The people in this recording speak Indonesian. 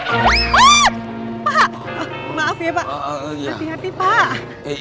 pak maaf ya pak hati hati pak